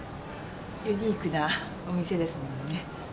ユニークなお店ですものね。